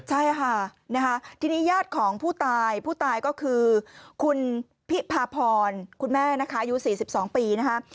ใช่ค่ะนะคะทีนี้ญาติของผู้ตายผู้ตายก็คือคุณพิพาพรคุณแม่นะคะอายุ๔๒ปีนะคะ